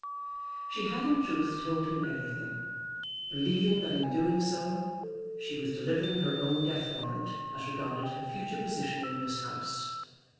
She had in truth told him everything, believing that in doing so she was delivering her own death warrant as regarded her future position in his house.